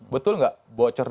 betul nggak bocor dari kpk